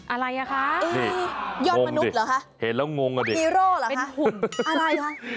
อะไรอ่ะคะยอดมนุษย์เหรอคะเห็นแล้วงงเป็นหุ่นอะไรคะ